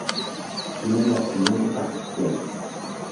Tiene las siguientes acepciones.